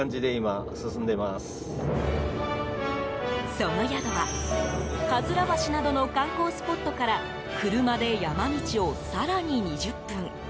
その宿はかずら橋などの観光スポットから車で山道を更に２０分。